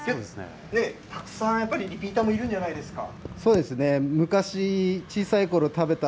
たくさんやっぱりリピーターもいるんじゃないですか。